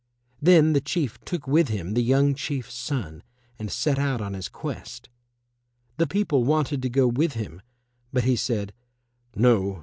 Then the Chief took with him the young Chief's son and set out on his quest. The people wanted to go with him, but he said, "No!